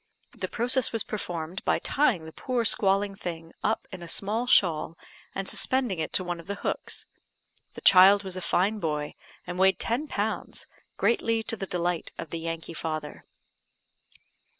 The process was performed by tying the poor squalling thing up in a small shawl, and suspending it to one of the hooks. The child was a fine boy, and weighed ten pounds, greatly to the delight of the Yankee father.